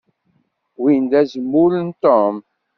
Win d azmul n Tom.